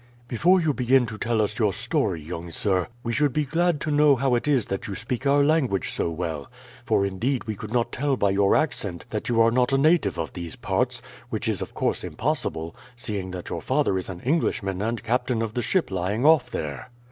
"Before you begin to tell us your story, young sir, we should be glad to know how it is that you speak our language so well; for indeed we could not tell by your accent that you are not a native of these parts, which is of course impossible, seeing that your father is an Englishman and captain of the ship lying off there."